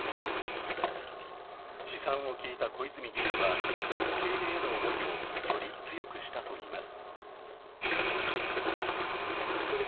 試算を聞いた古泉議員は、受け入れへの思いをより強くしたといいます。